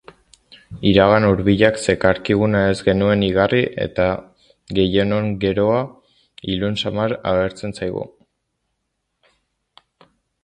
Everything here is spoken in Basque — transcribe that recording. Iragan hurbilak zekarkiguna ez genuen igarri eta gehienon geroa ilun samar agertzen zaigu.